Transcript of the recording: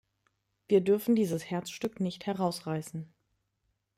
Wir dürfen dieses Herzstück nicht herausreißen.